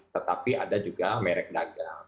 tetapi ada juga merek dagang